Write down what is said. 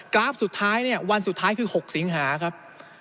ราฟสุดท้ายเนี่ยวันสุดท้ายคือ๖สิงหาครับ